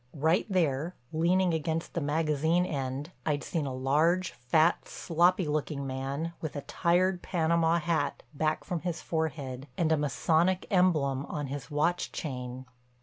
Right there, leaning against the magazine end, I'd seen a large, fat, sloppy looking man, with a tired panama hat back from his forehead, and a masonic emblem on his watch chain.